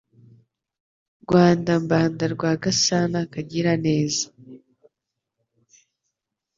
Rwanda Mbanda Rwagasana Kagiraneza